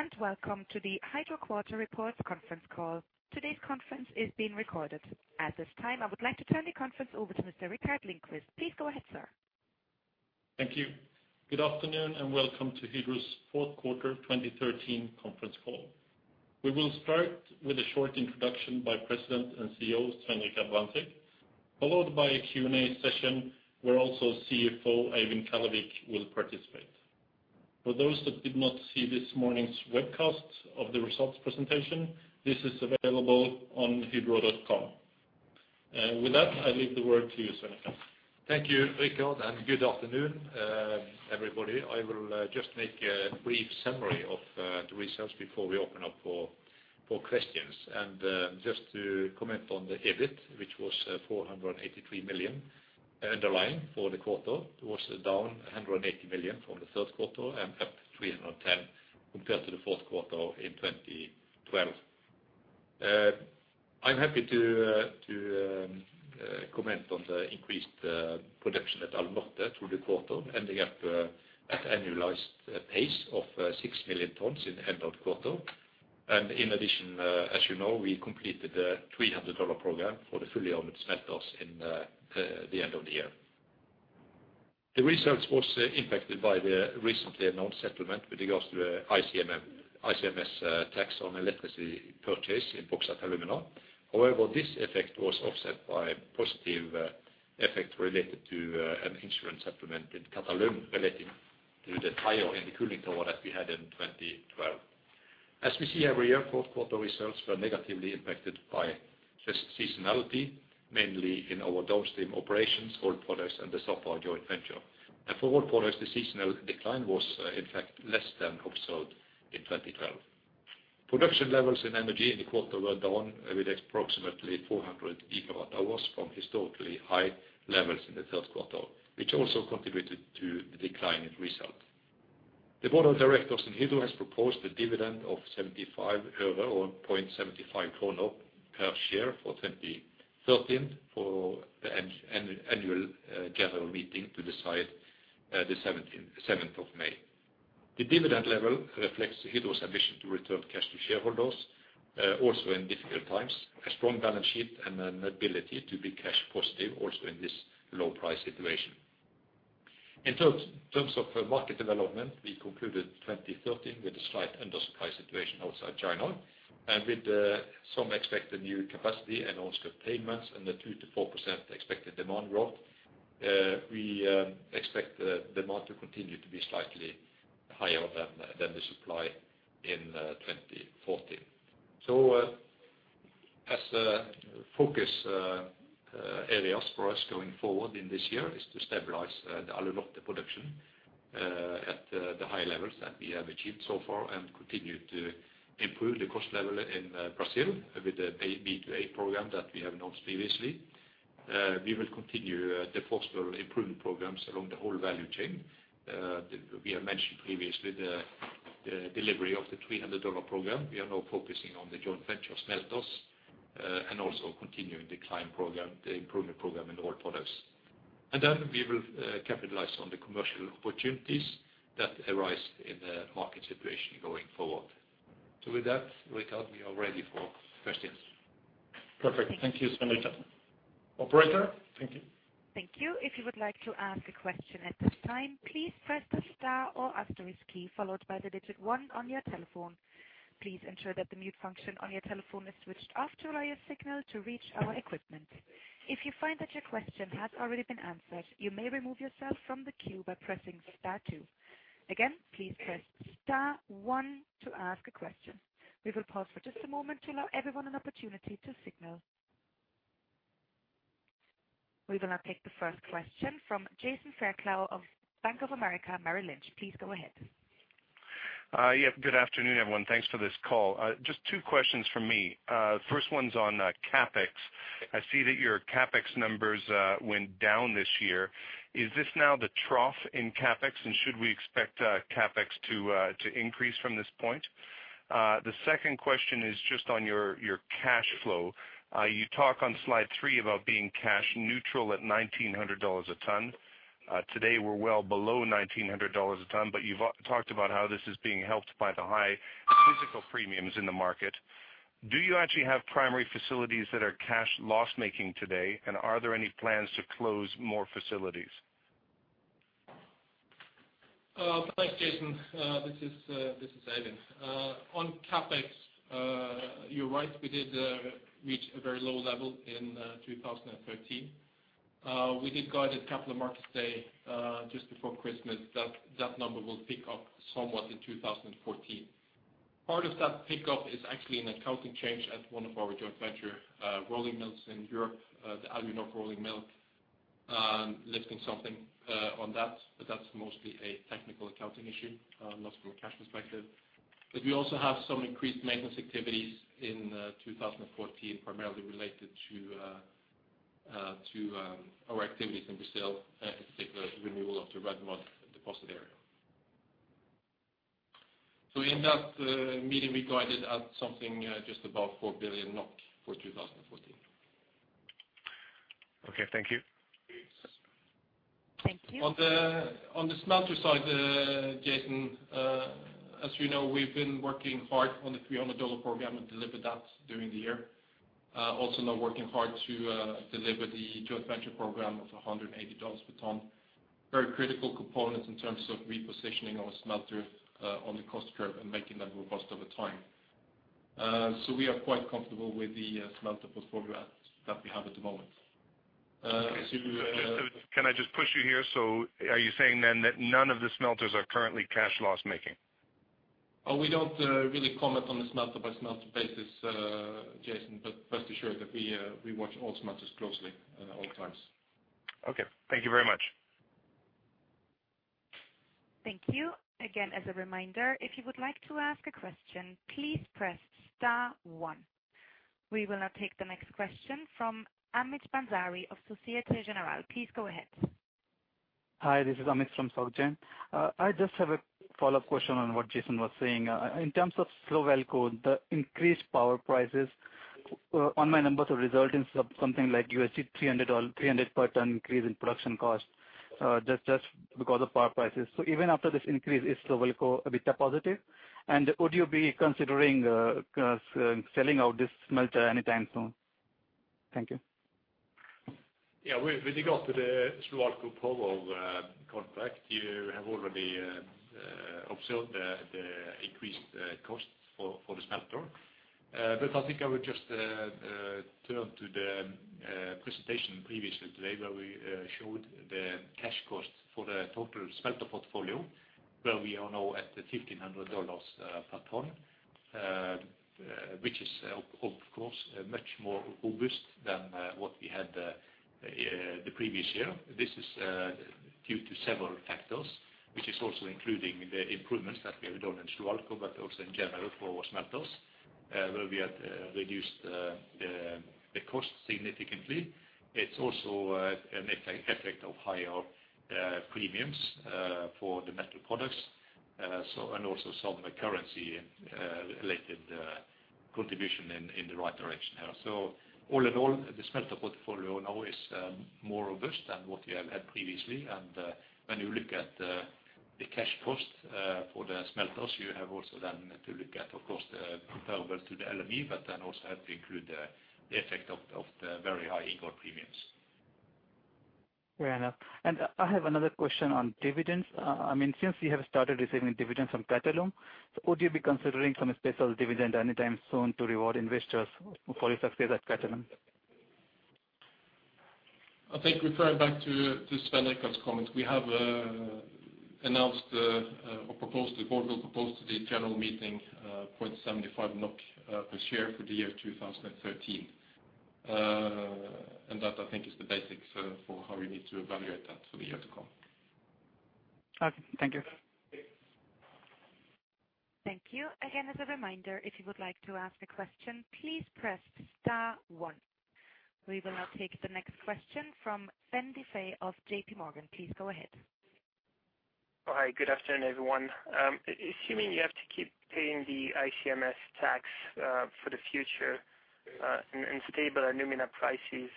Good day and welcome to the Hydro Quarter Reports conference call. Today's conference is being recorded. At this time, I would like to turn the conference over to Mr.Rikard Lindkvist. Please go ahead, sir. Thank you. Good afternoon, and welcome to Hydro's Q4 2013 conference call. We will start with a short introduction by President and CEO, Svein Richard Brandtzæg, followed by a Q&A session, where also CFO, Eivind Kallevik, will participate. For those that did not see this morning's webcast of the results presentation, this is available on hydro.com. With that, I leave the word to you, Svein Richard Brandtzæg. Thank you, Rikard, and good afternoon, everybody. I will just make a brief summary of the results before we open up for questions. Just to comment on the EBIT, which was 483 million underlying for the quarter. It was down 180 million from the Q2 and up 310 million compared to the Q4 in 2012. I'm happy to comment on the increased production at Alunorte through the quarter, ending up at annualized pace of 6 million tons at the end of the quarter. In addition, as we completed the $300 program for the fully-owned smelters at the end of the year. The results was impacted by the recently announced settlement with regards to ICMS tax on electricity purchase in Albras. However, this effect was offset by positive effects related to an insurance settlement in Qatalum relating to the fire in the cooling tower that we had in 2012. As we see every year, Q4 results were negatively impacted by just seasonality, mainly in our downstream operations, rolled products and the Sapa joint venture. For rolled products, the seasonal decline was, in fact, less than observed in 2012. Production levels in energy in the quarter were down approximately 400 gigawatt hours from historically high levels in the Q2, which also contributed to the decline in results. The Board of Directors in Hydro has proposed a dividend of 0.75 EUR or 7.5 NOK per share for 2013 for the annual general meeting to decide, the seventh of May. The dividend level reflects Hydro's ambition to return cash to shareholders, also in difficult times, a strong balance sheet and an ability to be cash positive also in this low price situation. In terms of market development, we concluded 2013 with a slight undersupply situation outside China. With some expected new capacity and also payments and the 2% to 4% expected demand growth, we expect demand to continue to be slightly higher than the supply in 2014. Focus areas for us going forward in this year is to stabilize the Alunorte production at the high levels that we have achieved so far and continue to improve the cost level in Brazil with the B to A program that we have announced previously. We will continue the further improvement programs along the whole value chain. We have mentioned previously the delivery of the $300 program. We are now focusing on the joint venture smelters and also continuing the climb program, the improvement program in the rolled products. We will capitalize on the commercial opportunities that arise in the market situation going forward. With that, Rikard, we are ready for questions. Perfect. Thank you, Svein Richard Brandtzæg. Operator? Thank you. Thank you. If you would like to ask a question at this time, please press the star or asterisk key, followed by the digit one on your telephone. Please ensure that the mute function on your telephone is switched off to allow your signal to reach our equipment. If you find that your question has already been answered, you may remove yourself from the queue by pressing star two. Again, please press star one to ask a question. We will pause for just a moment to allow everyone an opportunity to signal. We will now take the first question from Jason Fairclough of Bank of America Merrill Lynch. Please go ahead. Yeah, good afternoon, everyone. Thanks for this call. Just two questions from me. First one's on CapEx. I see that your CapEx numbers went down this year. Is this now the trough in CapEx, and should we expect CapEx to increase from this point? The second question is just on your cash flow. You talk on slide three about being cash neutral at $1,900 a ton. Today we're well below $1,900 a ton, but you've talked about how this is being helped by the high physical premiums in the market. Do you actually have primary facilities that are cash loss-making today, and are there any plans to close more facilities? Thanks, Jason. This is Eivind. On CapEx, you're right, we did reach a very low level in 2013. We did guide at Capital Markets Day just before Christmas that number will pick up somewhat in 2014. Part of that pickup is actually an accounting change at one of our joint venture rolling mills in Europe, the Alunorf rolling mill, lifting something on that, but that's mostly a technical accounting issue, not from a cash perspective. We also have some increased maintenance activities in 2014, primarily related to our activities in Brazil, in particular, renewal of the red mud deposit area. In that meeting, we guided at something just above 4 billion NOK for 2014. Okay, thank you. On the smelter side, Jason, as we've been working hard on the $300 program and delivered that during the year. Also now working hard to deliver the joint venture program of $180 per ton. Very critical component in terms of repositioning our smelter on the cost curve and making them robust over time. We are quite comfortable with the smelter portfolio that we have at the moment. Can I just push you here? Are you saying then that none of the smelters are currently cash loss making? We don't really comment on the smelter-by-smelter basis, Jason, but rest assured that we watch all smelters closely at all times. Okay. Thank you very much. Thank you. Again, as a reminder, if you would like to ask a question, please press star one. We will now take the next question from Amit Bansal of Société Générale. Please go ahead. Hi, this is Amit Bansal from Société Générale. I just have a follow-up question on what Jason Fairclough was saying. In terms of Slovalco, the increased power prices, on my numbers will result in something like $300 per ton increase in production costs, just because of power prices. Even after this increase, is Slovalco EBITDA positive? And would you be considering selling out this smelter anytime soon? Thank you. Yeah, with regard to the Slovalco power contract, you have already observed the increased costs for the smelter. I think I would just turn to the presentation previously today, where we showed the cash costs for the total smelter portfolio, where we are now at the $1,500 per ton, which is of course much more robust than what we had the previous year. This is due to several factors, which is also including the improvements that we have done in Slovalco, but also in general for our smelters, where we have reduced the costs significantly. It's also an effect of higher premiums for the metal products, so and also some currency related contribution in the right direction here. All in all, the smelter portfolio now is more robust than what we have had previously. When you look at the cash costs for the smelters, you have also then to look at, of course, the comparable to the LME, but then also have to include the effect of the very high ingot premiums. Fair enough. I have another question on dividends. I mean, since you have started receiving dividends from Qatalum, would you be considering some special dividend anytime soon to reward investors for your success at Qatalum? I think referring back to Svein Richard Brandtzæg's comments, we have announced or proposed the board will propose to the general meeting 0.75 NOK per share for the year 2013. That I think is the basis for how we need to evaluate that for the year to come. Okay. Thank you. Thank you. Again, as a reminder, if you would like to ask a question, please press star one. We will now take the next question from Benoit du Fay of JP Morgan. Please go ahead. Hi, good afternoon, everyone. Assuming you have to keep paying the ICMS tax for the future and stable alumina prices,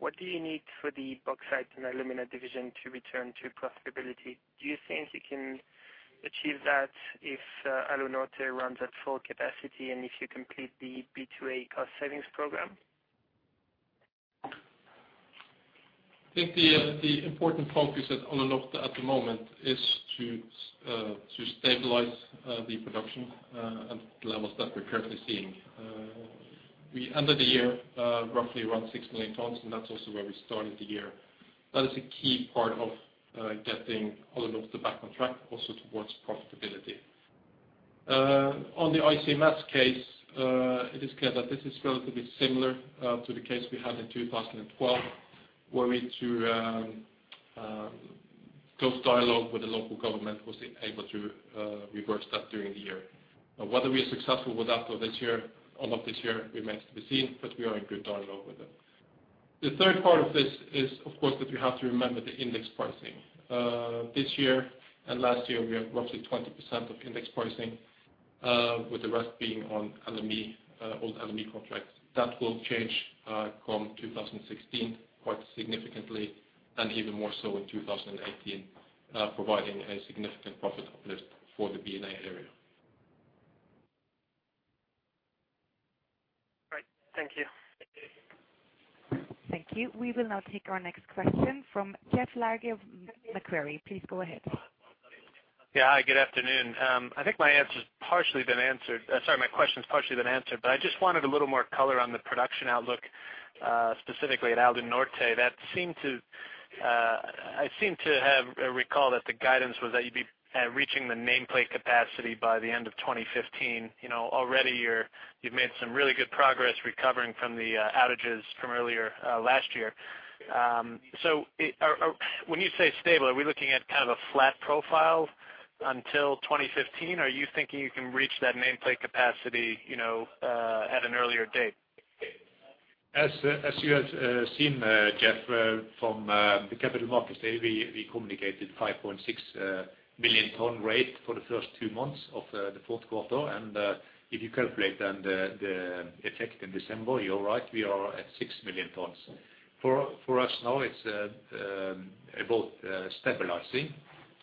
what do you need for the Bauxite & Alumina division to return to profitability? Do you think you can achieve that if Alunorte runs at full capacity and if you complete the B to A cost savings program? I think the important focus at Alunorte at the moment is to stabilize the production at the levels that we're currently seeing. We ended the year roughly around 6 million tons, and that's also where we started the year. That is a key part of getting Alunorte back on track also towards profitability. On the ICMS case, it is clear that this is relatively similar to the case we had in 2012, where we, through close dialogue with the local government, was able to reverse that during the year. Whether we are successful with that for this year, all of this year remains to be seen, but we are in good dialogue with them. The third part of this is, of course, that you have to remember the index pricing. This year and last year, we have roughly 20% of index pricing, with the rest being on LME, old LME contracts. That will change from 2016 quite significantly and even more so in 2018, providing a significant profit uplift for the B&A area. Great. Thank you. Thank you. We will now take our next question from Jeff Largey of Macquarie. Please go ahead. Yeah. Hi, good afternoon. I think my answer's partially been answered. Sorry, my question's partially been answered, but I just wanted a little more color on the production outlook, specifically at Alunorte. I seem to recall that the guidance was that you'd be reaching the nameplate capacity by the end of 2015. already you've made some really good progress recovering from the outages from earlier last year. When you say stable, are we looking at kind of a flat profile until 2015? Are you thinking you can reach that nameplate capacity at an earlier date? As you have seen, Jeff, from the Capital Markets Day, we communicated 5.6 million ton rate for the first two months of the Q4. If you calculate then the effect in December, you're right, we are at 6 million tons. For us now it's about stabilizing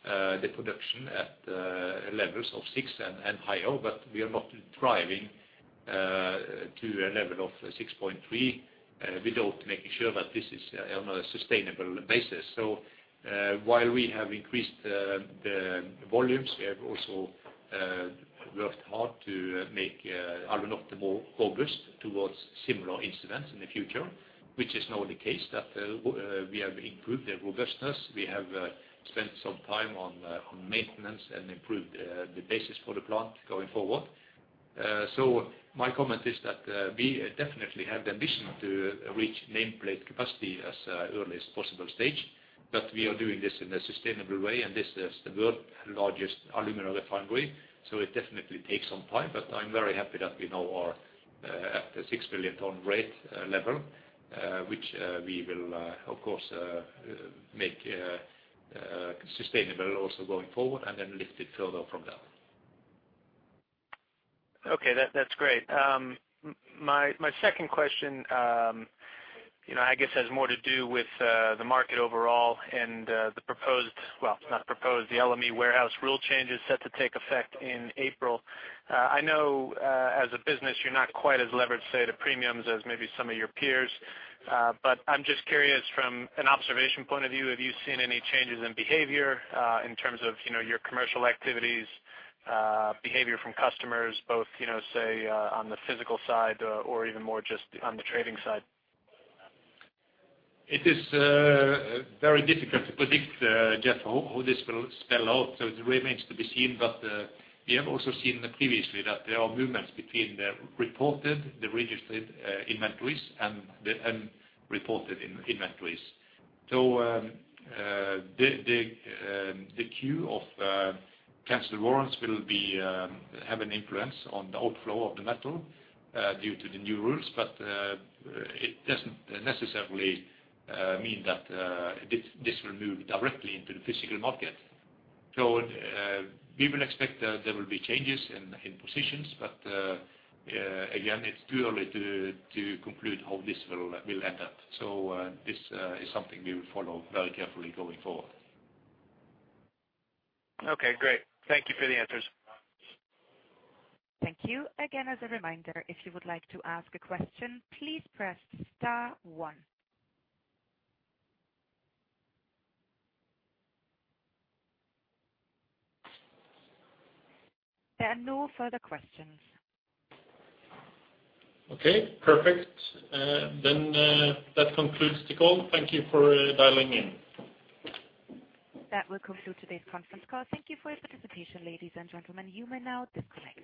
the production at levels of six and higher, but we are not driving to a level of 6.3 without making sure that this is on a sustainable basis. While we have increased the volumes, we have also worked hard to make Alunorte more robust towards similar incidents in the future, which is now the case that we have improved the robustness. We have spent some time on maintenance and improved the basis for the plant going forward. My comment is that we definitely have the ambition to reach nameplate capacity as early as possible stage, but we are doing this in a sustainable way, and this is the world's largest alumina refinery, so it definitely takes some time. I'm very happy that we now are at the 6 million ton rate level, which we will of course make sustainable also going forward and then lift it further from there. Okay. That's great. My second question I guess has more to do with the market overall and the LME warehouse rule changes set to take effect in April. I know, as a business, you're not quite as leveraged, say, to premiums as maybe some of your peers. I'm just curious from an observation point of view. Have you seen any changes in behavior, in terms of your commercial activities, behavior from customers both say, on the physical side or even more just on the trading side? It is very difficult to predict just how this will spell out, so it remains to be seen. We have also seen previously that there are movements between the reported, the registered inventories and the unreported inventories. The queue of canceled warrants will have an influence on the outflow of the metal due to the new rules, but it doesn't necessarily mean that this will move directly into the physical market. We will expect that there will be changes in positions, but again, it's too early to conclude how this will end up. This is something we will follow very carefully going forward. Okay, great. Thank you for the answers. Thank you. Again, as a reminder, if you would like to ask a question, please press star one. There are no further questions. Okay, perfect. That concludes the call. Thank you for dialing in. That will conclude today's conference call. Thank you for your participation, ladies and gentlemen. You may now disconnect.